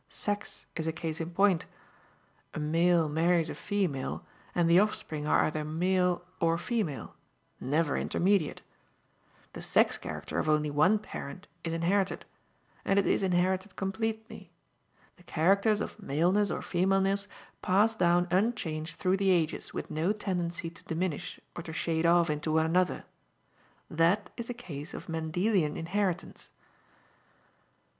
Sex is a case in point. A male marries a female and the offspring are either male or female, never intermediate. The sex character of only one parent is inherited, and it is inherited completely. The characters of maleness or femaleness pass down unchanged through the ages with no tendency to diminish or to shade off into one another. That is a case of Mendelian inheritance."